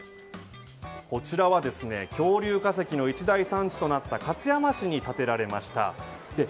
こちらは恐竜化石の一大産地となった勝山市に建てられました。